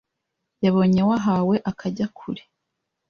Yabonye wahawe akajya kure